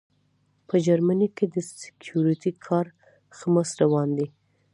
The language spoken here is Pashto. په جرمني کې د سیکیورټي کار ښه مست روان دی